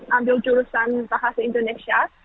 ambil jurusan bahasa indonesia